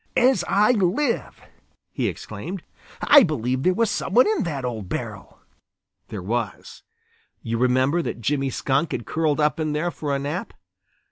"As I live," he exclaimed, "I believe there was some one in that old barrel!" There was. You remember that Jimmy Skunk had curled up in there for a nap.